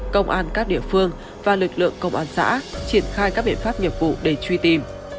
công an các địa phương và lực lượng công an xã triển khai các biện pháp nghiệp vụ để truy tìm